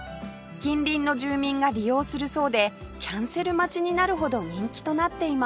近隣の住民が利用するそうでキャンセル待ちになるほど人気となっています